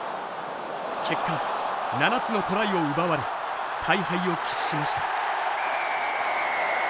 結果７つのトライを奪われ大敗を喫しました。